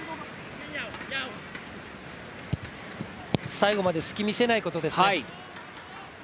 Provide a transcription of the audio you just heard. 最後まで隙を見せないことですね。